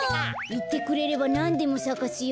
いってくれればなんでもさかすよ。